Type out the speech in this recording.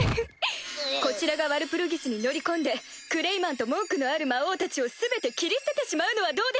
こちらがワルプルギスに乗り込んでクレイマンと文句のある魔王たちを全て斬り捨ててしまうのはどうでしょう？